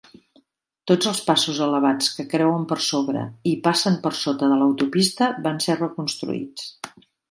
Tots els passos elevats que creuen per sobre i passen per sota de l'autopista van ser reconstruïts.